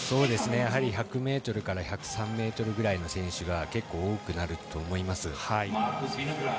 やはり１００ｍから１０３ｍぐらいの選手が多くなると思います。